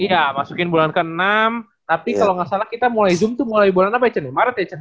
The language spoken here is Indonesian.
iya masukin bulan ke enam tapi kalo gak salah kita mulai zoom tuh mulai bulan apa ya cen maret ya cen